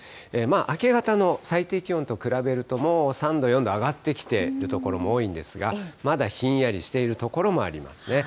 明け方の最低気温と比べると、もう３度、４度上がってきている所も多いんですが、まだひんやりしている所もありますね。